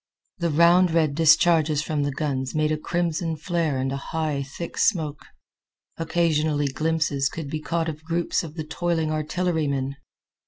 The round red discharges from the guns made a crimson flare and a high, thick smoke. Occasional glimpses could be caught of groups of the toiling artillerymen.